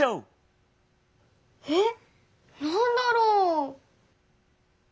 えっなんだろう？